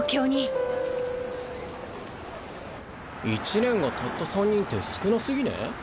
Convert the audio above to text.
一年がたった３人って少なすぎねぇ？